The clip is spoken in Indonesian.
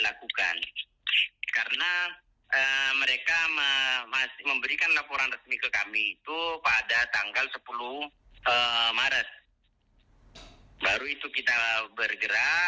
lakukan karena mereka masih memberikan laporan resmi ke kami itu pada tanggal sepuluh maret baru itu kita bergerak